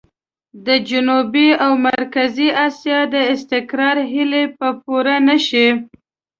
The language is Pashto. د جنوبي او مرکزي اسيا د استقرار هيلې به پوره نه شي.